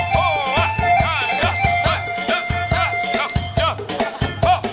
ลาลาลาลาลาลาลา